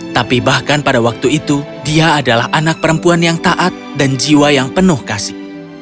tapi bahkan pada waktu itu dia adalah anak perempuan yang taat dan jiwa yang penuh kasih